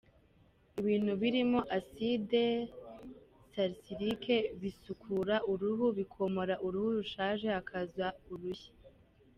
Ibintu birimo “acide salicylique” bisukura uruhu, bikomora uruhu rushaje hakaza urushya.